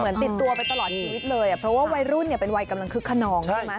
ติดตัวไปตลอดชีวิตเลยอ่ะเพราะว่าวัยรุ่นเนี่ยเป็นวัยกำลังคึกขนองใช่ไหม